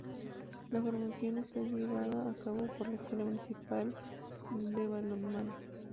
La formación está llevada a cabo por la Escuela Municipal de Balonmano.